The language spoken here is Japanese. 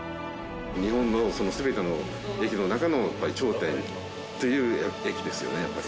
日本の全ての駅の中のやっぱり頂点という駅ですよね。